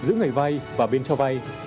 giữa người vay và bên cho vay